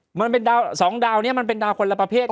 เหมือนเป็นดาวสองดาวนี้มันเป็นดาวคนละประเภท